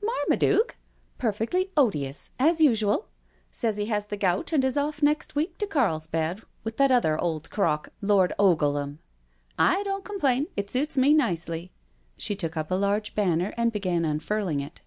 " Marmaduke? Perfectly odious, as usual. Says he has the gout and is off next week to Carlsbad with that other old crock. Lord Ogleham. I don't complain, it suits me nicely." She took up a large banner and began unfurling it.